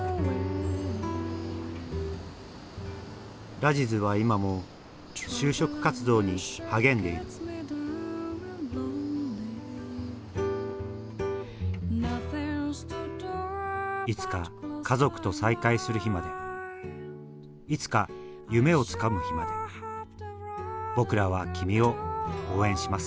ラジズは今も就職活動に励んでいるいつか家族と再会する日までいつか夢をつかむ日まで僕らは君を応援します